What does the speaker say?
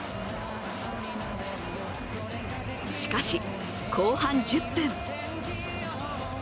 しかし、後半１０分。